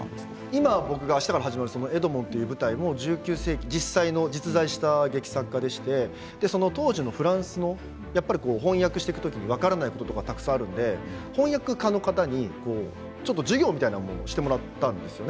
今、僕のあしたから始まる「エドモン」という舞台も１９世紀に実際に実在した劇作家でしてフランスの翻訳をしていくと分からないことがたくさんあるので翻訳家の方にちょっと授業なものをしてもらったんです。